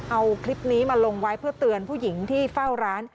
เอาคลิปนี้มาลงไว้เพื่อเตือนผู้หญิงที่เฝ้าร้าน